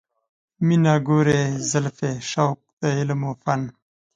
مینه، ګورې زلفې، شوق د علم و فن